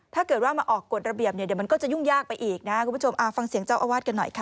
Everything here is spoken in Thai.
ถ้าเกิดว่ามาออกกฎระเบียบเนี่ยเดี๋ยวมันก็จะยุ่งยากไปอีกนะคุณผู้ชมฟังเสียงเจ้าอาวาสกันหน่อยค่ะ